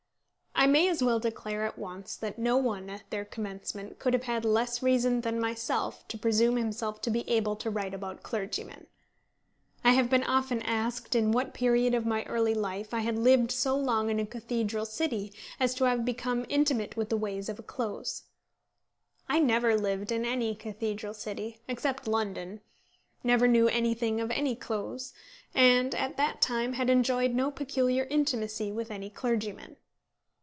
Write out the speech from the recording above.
I may as well declare at once that no one at their commencement could have had less reason than myself to presume himself to be able to write about clergymen. I have been often asked in what period of my early life I had lived so long in a cathedral city as to have become intimate with the ways of a Close. I never lived in any cathedral city, except London, never knew anything of any Close, and at that time had enjoyed no peculiar intimacy with any clergyman.